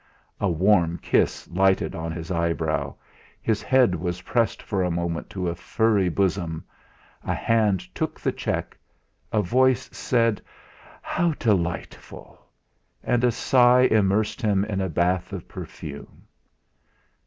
A warm kiss lighted on his eyebrow, his head was pressed for a moment to a furry bosom; a hand took the cheque; a voice said: "How delightful!" and a sigh immersed him in a bath of perfume.